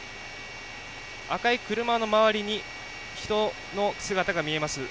赤い車の周りに人の姿が見えます。